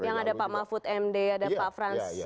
yang ada pak mahfud md ada pak frans